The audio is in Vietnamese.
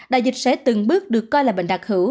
đại dịch sẽ từng bước được coi là bệnh đặc hữu